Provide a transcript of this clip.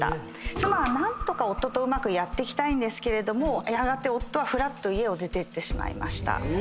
妻は何とか夫とうまくやっていきたいんですけれどもやがて夫はふらっと家を出てってしまいました。